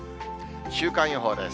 週間予報です。